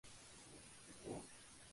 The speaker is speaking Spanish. Cuatro Cabezas.